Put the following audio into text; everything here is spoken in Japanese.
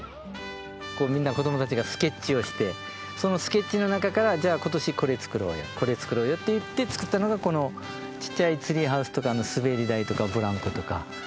みんな子どもたちがスケッチをしてそのスケッチの中からじゃあ今年これ作ろうよこれ作ろうよって言って作ったのがこのちっちゃいツリーハウスとか滑り台とかブランコとか。